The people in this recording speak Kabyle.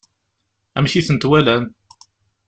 Amek i tent-walan?